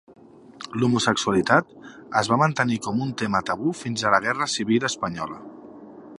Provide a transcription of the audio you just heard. L'homosexualitat es va mantenir com un tema tabú fins a la Guerra Civil Espanyola.